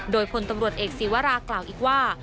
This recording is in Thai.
โดยคนตำรวจเอกซีวาราศาสตร์กล่าวอีกว่า